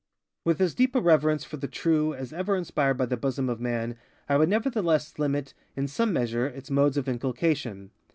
With as deep a reverence for the True as ever inspired the bosom of man, I would nevertheless limit, in some measure, its modes of inculcation.